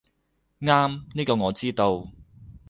啱，呢個我知道